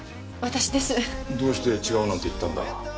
どうして違うなんて言ったんだ？